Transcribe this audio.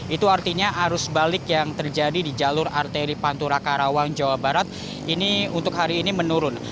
itu artinya arus balik yang terjadi di jalur arteri pantura karawang jawa barat ini untuk hari ini menurun